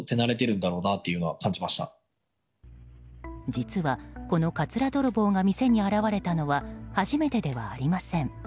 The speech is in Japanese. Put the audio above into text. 実はこのかつら泥棒が店に現れたのは初めてではありません。